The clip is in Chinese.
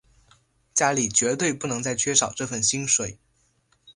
家里绝对不能再缺少这份薪水